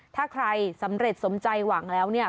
ถ้าใครสำเร็จสมใจหวังแล้วเนี่ย